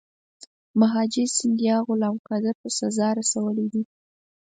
مهاجي سیندیا غلام قادر په سزا رسولی دی.